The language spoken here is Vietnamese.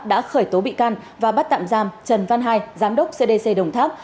đã khởi tố bị can và bắt tạm giam trần văn hai giám đốc cdc đồng tháp